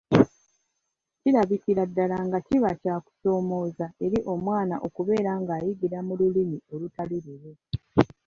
Kirabikira ddala nga kiba kya kusomooza eri omwana okubeera ng’ayigira mu Lulimi olutali lulwe.